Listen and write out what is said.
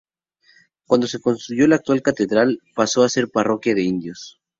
Cuando se construyó la actual catedral, paso a ser parroquia de indios.